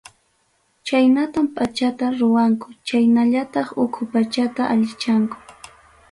Chaynatam pachata ruwanku chaynallataq uchku pachata allichanku.